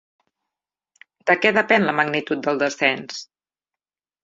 De què depèn la magnitud del descens?